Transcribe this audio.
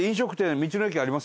道の駅あります。